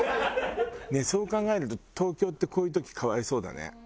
そう考えると東京ってこういう時可哀想だね。